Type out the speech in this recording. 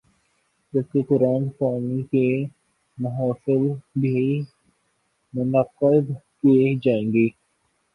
جب کہ قرآن خوانی کی محافل بھی منعقد کی جائیں گی۔